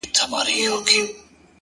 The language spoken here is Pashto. • څه بدۍ مو دي په مځكه كي كرلي ,